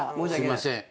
すいません。